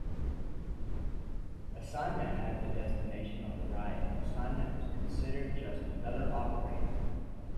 Assignment had the destination on the right and assignment was considered just another operator.